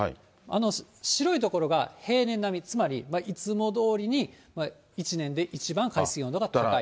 白い所が平年並み、つまりいつもどおりに、１年で一番海水温度が高い。